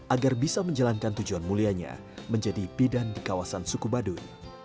agar bisa menjalankan tujuan mulianya menjadi bidan di kawasan suku baduy